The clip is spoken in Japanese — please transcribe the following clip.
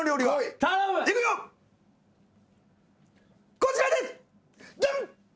こちらですドン！